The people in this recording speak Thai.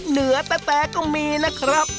เหนือแต๊ก็มีนะครับ